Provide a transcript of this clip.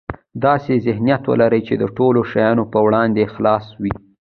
داسې ذهنيت ولره چې د ټولو شیانو په وړاندې خلاص وي.